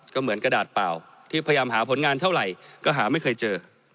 ก็เหมือนกระดาษเปล่าที่พยายามหาผลงานเท่าไหร่ก็หาไม่เคยเจอ